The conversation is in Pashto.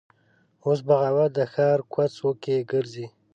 اوس بغاوت د ښار کوڅ وکې ګرځي